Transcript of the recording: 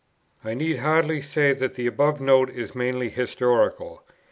I need hardly say that the above Note is mainly historical.